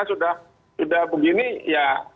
nah sudah begini ya